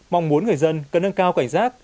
mong muốn người dân cần nâng cao cảnh giác